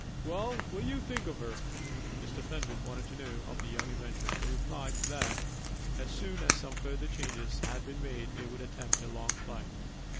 "Well, what do you think of her?" Mr. Fenwick wanted to know of the young inventor, who replied that, as soon as some further changes had been made, they would attempt a long flight.